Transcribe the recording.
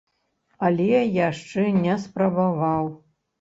Але яшчэ не спрабаваў.